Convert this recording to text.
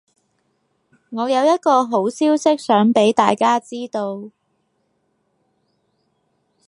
我有一個好消息想畀大家知道